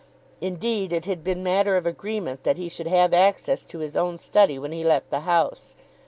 Indeed it had been matter of agreement that he should have access to his own study when he let the house.